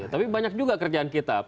tapi banyak juga kerjaan kita